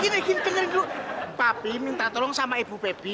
gini gini dengerin dulu papi minta tolong sama ibu bebi